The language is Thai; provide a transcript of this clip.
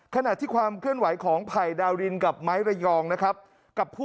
ถึงที่ความเคลื่อนไหวของไผ่ดาวรินทร์กับไม้รอยองส์